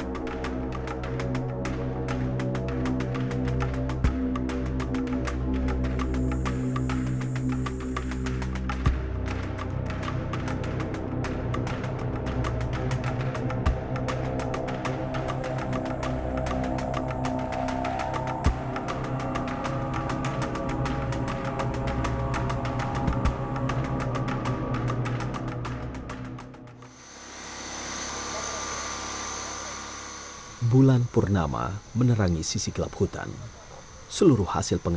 orang warisnya terpilih referencing kekerenan